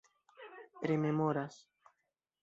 rememoras